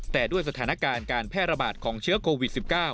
แต่ด้วยสถานการณ์การแพร่ระบาดของเชื้อโควิด๑๙